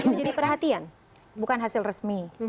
menjadi perhatian bukan hasil resmi